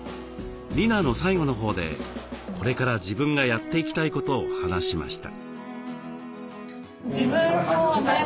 ディナーの最後のほうでこれから自分がやっていきたいことを話しました。